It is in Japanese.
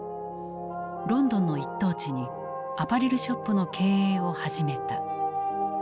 ロンドンの一等地にアパレルショップの経営を始めた。